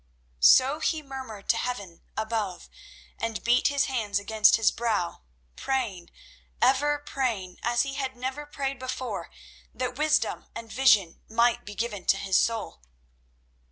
So he murmured to Heaven above and beat his hands against his brow, praying, ever praying, as he had never prayed before, that wisdom and vision might be given to his soul.